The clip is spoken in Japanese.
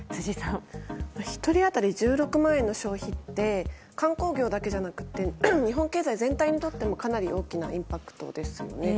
１人当たり１６万円の消費って観光業だけじゃなくて日本経済全体にとってもかなり大きなインパクトですよね。